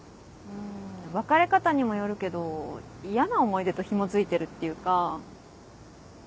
ん別れ方にもよるけど嫌な思い出とひも付いてるっていうか。